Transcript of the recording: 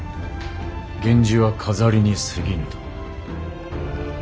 源氏は飾りにすぎぬと。